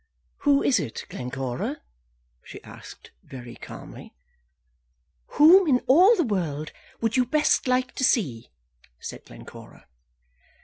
"Who is it, Glencora?" she asked, very calmly. "Whom in all the world would you best like to see?" said Glencora.